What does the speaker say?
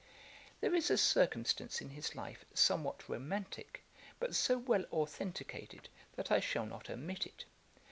1709] There is a circumstance in his life somewhat romantick, but so well authenticated, that I shall not omit it.